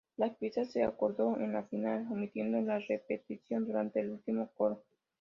La pista se acortó en la final, omitiendo la repetición durante el último coro.